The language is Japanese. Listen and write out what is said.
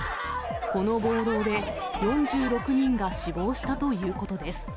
この暴動で４６人が死亡したということです。